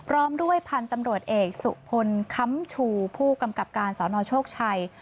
พร้อมด้วยพันธุ์ตำรวจเอกสุพลค้ำชูผู้กำกับการสนโชคชัย